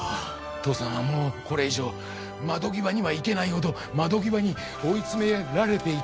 父さんはもうこれ以上窓際には行けないほど窓際に追い詰められていたのだ。